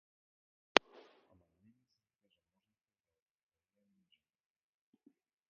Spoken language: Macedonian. Ама не ми се укажа можност за остварување на желбата.